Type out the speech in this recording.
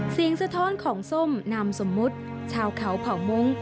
เสียงสะท้อนของส้มนำสมมุติชาวเขาผ่าวมงค์